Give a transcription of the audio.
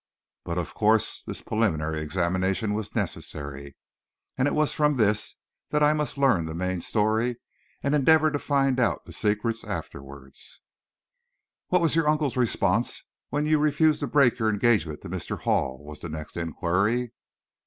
But of course this preliminary examination was necessary, and it was from this that I must learn the main story, and endeavor to find out the secrets afterward. "What was your uncle's response when you refused to break your engagement to Mr. Hall?" was the next inquiry.